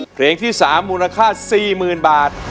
เพลงที่๓มูลค่า๔๐๐๐บาท